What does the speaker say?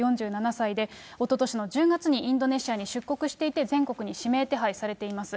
４７歳で、おととしの１０月にインドネシアに出国していて、全国に指名手配されています。